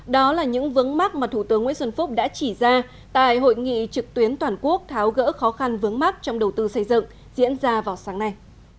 đó là những vướng mắt mà thủ tướng nguyễn xuân phúc đã chỉ ra tại hội nghị trực tuyến toàn quốc tháo gỡ khó khăn vướng mắt trong đầu tư xây dựng diễn ra vào sáng nay